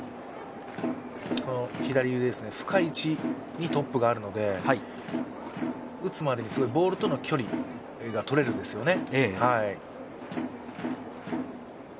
左腕、深い位置にトップがあるので打つまでにボールとの距離がとれるんですよね。